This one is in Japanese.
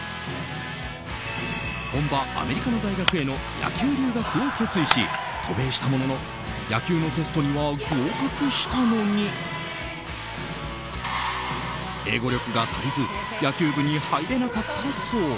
本場アメリカの大学への野球留学を決意し渡米したものの野球のテストには合格したのに英語力が足りず野球部に入れなかったそう。